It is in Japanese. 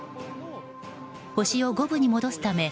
星を五分に戻すため